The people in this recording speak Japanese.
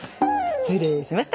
失礼しました！